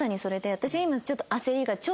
私今。